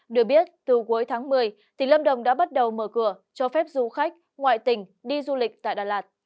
được biết từ cuối tháng một mươi tỉnh lâm đồng đã bắt đầu mở cửa cho phép du khách ngoại tỉnh đi du lịch tại đà lạt